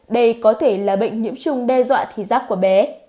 đây có thể là bệnh nhiễm trùng đe dọa thí giác của bé